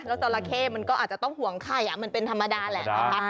แล้วสละเข้มันก็อาจจะต้องห่วงไข่อ่ะมันเป็นธรรมดาแหละ